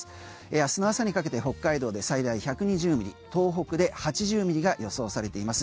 明日の朝にかけて北海道で最大１２０ミリ東北で８０ミリが予想されています。